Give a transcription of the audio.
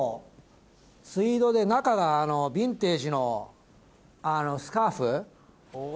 ツイードで中がヴィンテージのスカーフとかで。